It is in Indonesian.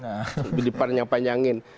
dibidipan yang panjangin